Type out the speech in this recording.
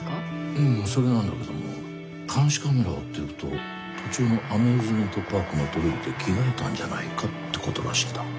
うんそれなんだけども監視カメラを追っていくと途中のアミューズメントパークのトイレで着替えたんじゃないかってことらしいんだ。